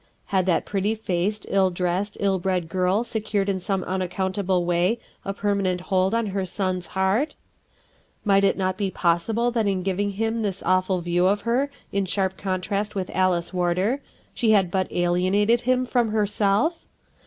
Had that pretty faced, in! dressed, ill bred girl secured in some unac countable way a permanent hold on her son's heart ? Might it not be possible that in giving him this awful view of her in sharp contrast with Alice Warder she had but alienated him from herself?